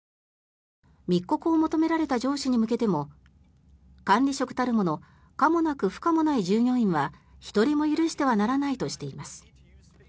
密告を求められた上司に向けても管理職たるもの可もなく不可もない従業員は１人も許してはならないとしています。